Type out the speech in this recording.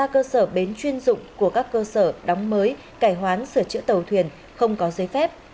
ba cơ sở bến chuyên dụng của các cơ sở đóng mới cải hoán sửa chữa tàu thuyền không có giấy phép